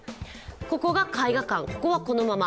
ここが絵画館、ここはこのまま。